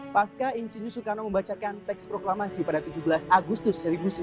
pasca insinyur soekarno membacakan teks proklamasi pada tujuh belas agustus seribu sembilan ratus empat puluh